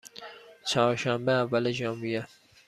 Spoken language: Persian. چهارشنبه، اول ژانویه